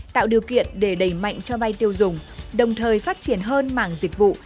tạo điều kiện để đẩy mạnh cho vai tiêu dùng đồng thời phát triển hơn mảng dịch vụ